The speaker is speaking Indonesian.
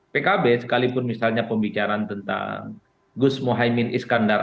pkb sekalipun misalnya pembicaraan tentang gus mohaimin iskandar